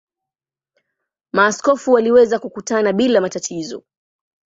Maaskofu waliweza kukutana bila matatizo.